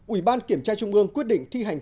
ủy ban kiểm tra trung ương quyết định thi hành